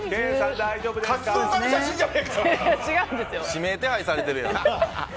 指名手配されてるやん。